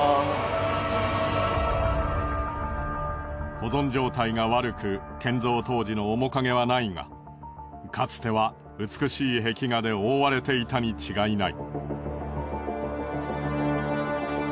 保存状態が悪く建造当時の面影はないがかつては美しい壁画で覆われていたに違いない。